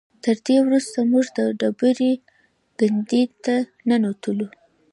تر دې وروسته موږ د ډبرې ګنبدې ته ننوتلو.